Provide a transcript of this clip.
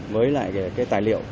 với lại cái tài liệu